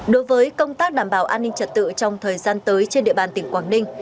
đối với công tác đảm bảo an ninh trật tự trong thời gian tới trên địa bàn tỉnh quảng ninh